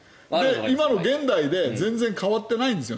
今の現代で全然変わってないんです。